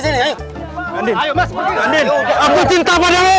nandin aku cinta padamu